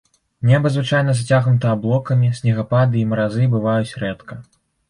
Неба звычайна зацягнута аблокамі, снегапады і маразы бываюць рэдка.